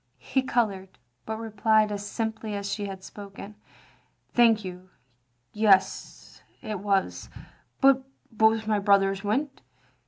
He coloured, but replied as simply as she had spoken :" Thank you, yes, it was. But both my brothers went.